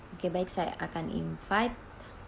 oke baik saya akan invite